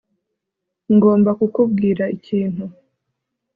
ngomba kukubwira ikintu